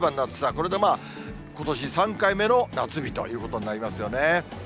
これでまあ、ことし３回目の夏日ということになりますよね。